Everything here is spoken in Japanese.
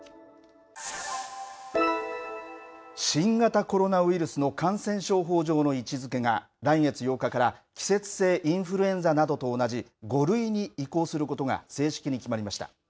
新型コロナウイルスの感染症法上の位置づけが来月８日から季節性インフルエンザなどと同じ５類に移行することが正式に決まりました。